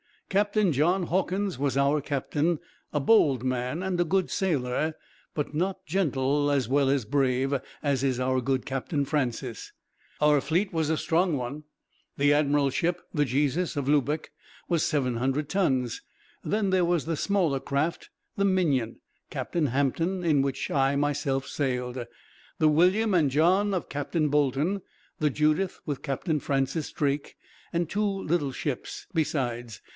Captain John Hawkins was our captain, a bold man and a good sailor; but not gentle as well as brave, as is our good Captain Francis. Our fleet was a strong one. The admiral's ship, the Jesus, of Lubeck, was 700 tons. Then there were the smaller craft; the Minion, Captain Hampton, in which I myself sailed; the William and John of Captain Boulton; the Judith with Captain Francis Drake; and two little ships, besides.